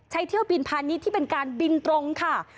ใช้เที่ยวบินพันธุ์นี้ที่เป็นการบินตรงค่ะ